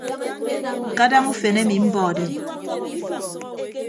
Kadaña ufen emi mbọde.